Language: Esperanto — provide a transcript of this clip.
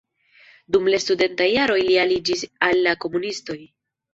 Dum la studentaj jaroj li aliĝis al la komunistoj.